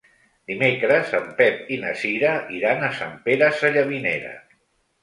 Dimecres en Pep i na Cira iran a Sant Pere Sallavinera.